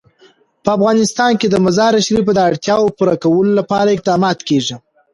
په افغانستان کې د مزارشریف د اړتیاوو پوره کولو لپاره اقدامات کېږي.